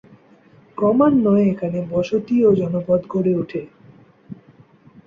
ক্রমান্বয়ে এখানে বসতি ও জনপদ গড়ে উঠে।